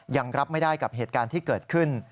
ยังรับไม่ได้กับเหตุการณ์ที่เกิดขึ้น